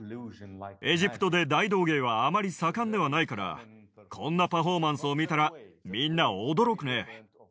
エジプトで大道芸はあまり盛んではないから、こんなパフォーマンスを見たら、みんな驚くね。